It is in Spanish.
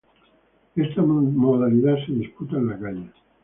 Esta modalidad se disputa en la calle.